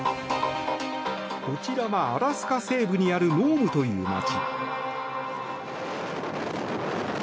こちらは、アラスカ西部にあるノームという街。